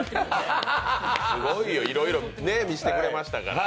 いろいろ見せてくれましたからね。